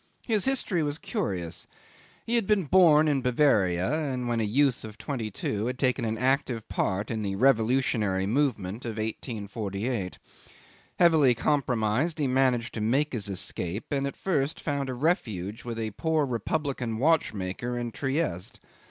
His history was curious. He had been born in Bavaria, and when a youth of twenty two had taken an active part in the revolutionary movement of 1848. Heavily compromised, he managed to make his escape, and at first found a refuge with a poor republican watchmaker in Trieste.